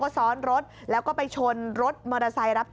ก็ไม่ถูกก็ไม่เหมาะเออ